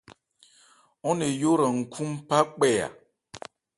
Ɔ́n ne yó hran nkhú nphá kpɛ.